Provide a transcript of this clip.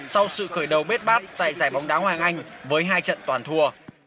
sau sự khởi đầu bế bát tại giải bóng đá hoàng anh với hai trận toàn thua